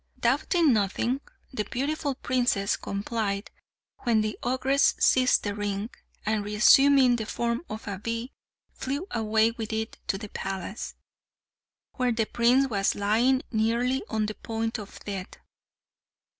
Doubting nothing, the beautiful princess complied, when the ogress seized the ring, and reassuming the form of a bee flew away with it to the palace, where the prince was lying nearly on the point of death.